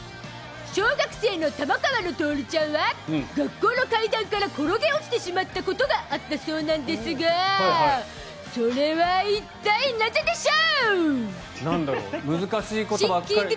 小学生の玉川の徹ちゃんは学校の階段から転げ落ちてしまったことがあったそうなんですがそれは一体、なぜでしょう。